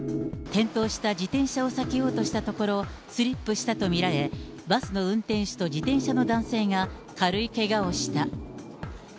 転倒した自転車を避けようとしたところ、スリップしたと見られ、バスの運転手と自転車の男性が軽いけがをした。